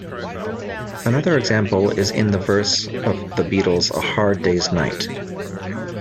Another example is in the verse of The Beatles' "A Hard Day's Night".